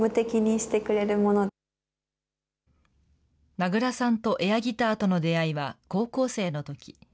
名倉さんとエアギターとの出会いは高校生のとき。